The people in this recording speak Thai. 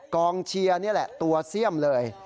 กองเชียร์นี่แหละตัวเสี่ยมเลย